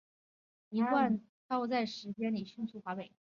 一贯道在这段时期迅速散布华北。